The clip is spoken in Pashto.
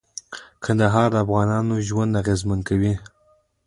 کندهار د افغانانو ژوند اغېزمن کوي.